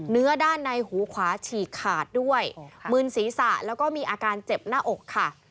เนื้อด้านในหูขวาฉีกขาดด้วยมืนศีรษะแล้วก็มีอาการเจ็บหน้าอกค่ะ